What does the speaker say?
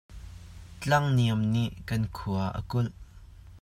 Tlang niam nih kan khua a kulh.